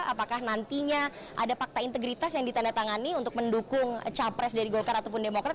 apakah nantinya ada fakta integritas yang ditandatangani untuk mendukung capres dari golkar ataupun demokrat